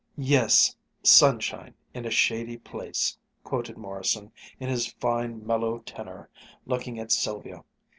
"Yes, sunshine in a shady place ..." quoted Morrison, in his fine mellow tenor, looking at Sylvia.